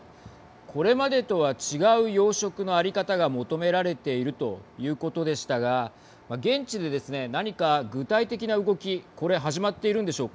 これまでとは違う養殖の在り方が求められているということでしたが現地でですね、何か具体的な動きこれ始まっているんでしょうか。